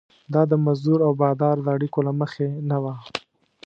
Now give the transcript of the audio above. دا د مزدور او بادار د اړیکو له مخې نه وه.